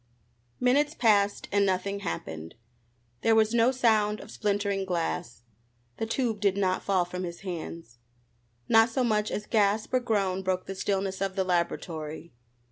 Minutes passed and nothing happened. There was no sound of splintering glass. The tube did not fall from his hands. Not so much as gasp or groan broke the stillness of the laboratory.